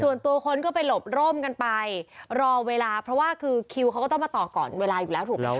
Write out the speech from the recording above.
ส่วนตัวคนก็ไปหลบร่มกันไปรอเวลาเพราะว่าคือคิวเขาก็ต้องมาต่อก่อนเวลาอยู่แล้วถูกไหมค